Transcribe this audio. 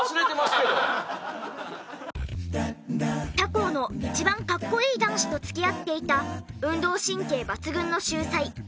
他校の一番かっこいい男子と付き合っていた運動神経抜群の秀才ひーちゃん。